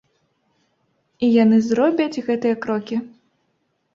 І яны зробяць гэтыя крокі.